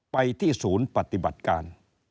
ไปที่ศูนย์ปฏิบัติการ